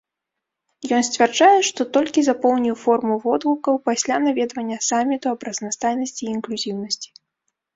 Ён сцвярджае, што толькі запоўніў форму водгукаў пасля наведвання саміту аб разнастайнасці і інклюзіўнасці.